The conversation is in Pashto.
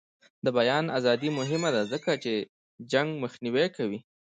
د بیان ازادي مهمه ده ځکه چې جنګ مخنیوی کوي.